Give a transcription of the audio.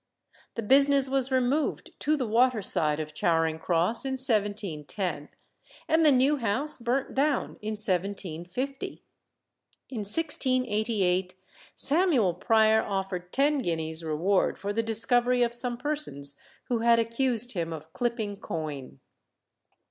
The business was removed to the water side of Charing Cross in 1710, and the new house burnt down in 1750. In 1688, Samuel Prior offered ten guineas reward for the discovery of some persons who had accused him of clipping coin.